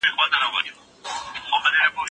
فیلسوفانو د ټولني ځانګړتیاوې بیانولې.